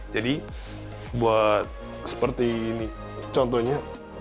jadi buat seperti ini contohnya